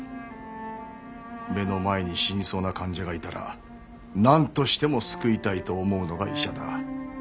目の前に死にそうな患者がいたらなんとしても救いたいと思うのが医者だ。